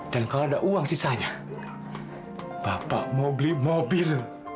dan kalau ada uang sisanya bapak mau beli mobil